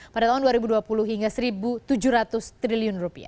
pada tahun dua ribu dua puluh hingga rp satu tujuh ratus triliun